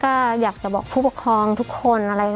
ก็อยากจะบอกผู้ปกครองทุกคน